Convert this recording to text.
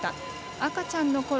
赤ちゃんのころ